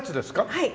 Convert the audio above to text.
はい。